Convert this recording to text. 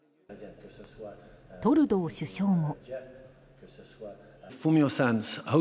トルドー首相も。